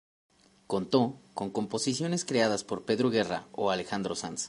Contó con composiciones creadas por Pedro Guerra o Alejandro Sanz.